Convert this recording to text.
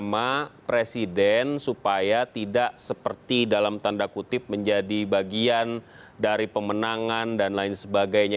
hanya untuk membersihkan nama presiden supaya tidak seperti dalam tanda kutip menjadi bagian dari pemenangan dan lain sebagainya